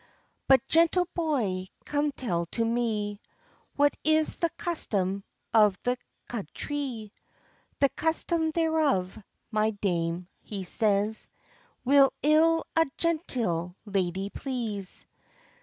"But, gentle boy, come tell to me, What is the custom of thy countrie?" "The custom thereof, my dame," he says, "Will ill a gentle ladye please.